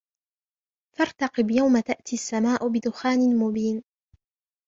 فارتقب يوم تأتي السماء بدخان مبين